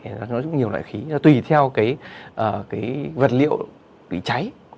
nó là nhiều loại khí tùy theo vật liệu bị cháy